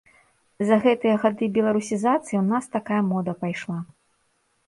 За гэтыя гады беларусізацыі ў нас такая мода пайшла.